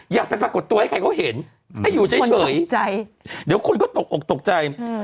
อยากไปปรากฏตัวให้ใครเขาเห็นให้อยู่เฉยเดี๋ยวคนก็ตกอกตกใจ